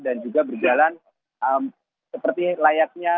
dan juga berjalan seperti layaknya